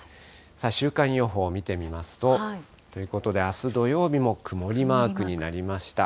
さあ、週間予報を見てみますと、ということで、あす土曜日も曇りマークになりました。